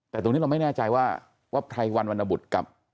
แต่ตรงนี้เราไม่แน่ใจว่าว่าไพรวันวรรณบุตรกับ